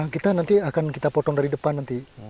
kita nanti akan kita potong dari depan nanti